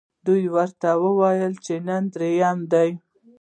دوی ورته وویل چې نن درېیمه ده.